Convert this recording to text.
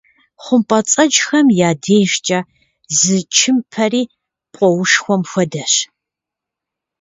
Хъумпӏэцӏэджхэм я дежкӏэ зы чымпэри пкъоушхуэм хуэдэщ.